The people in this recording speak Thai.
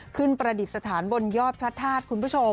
ขึ้นประดิษฐานบนยอดพระธาตุ